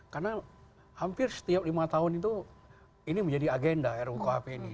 karena hampir setiap lima tahun itu ini menjadi agenda rukhp ini